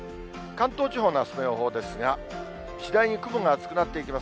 関東地方のあすの予報ですが、次第に雲が暑くなっていきます。